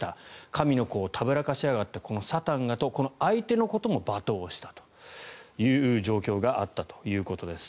神の子をたぶらかしやがってこのサタンがと相手のことも罵倒したという状況があったということです。